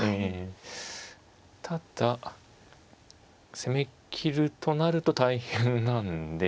ただ攻めきるとなると大変なんで。